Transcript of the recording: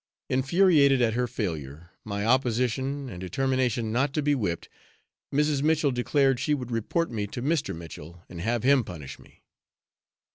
Infuriated at her failure, my opposition and determination not to be whipped, Mrs. Mitchell declared she would report me to Mr. Mitchell and have him punish me.